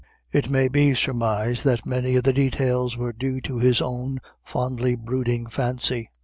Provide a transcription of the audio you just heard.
It may be surmised that many of the details were due to his own fondly brooding fancy.